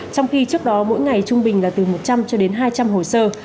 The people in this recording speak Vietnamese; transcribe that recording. trong khi trước đó mỗi ngày trung bình là từ một trăm linh cho đến hai trăm linh hồ sơ